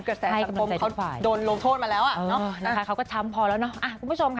กระแสสังคมเขาโดนลงโทษมาแล้วอ่ะเนอะนะคะเขาก็ช้ำพอแล้วเนาะคุณผู้ชมค่ะ